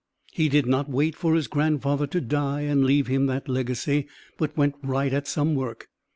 He did not wait for his grandfather to die and leave him that legacy but went right at some work.